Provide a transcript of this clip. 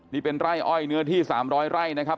นี่เป็นไร่อ้อยเนื้อที่๓๐๐ไร่นะครับ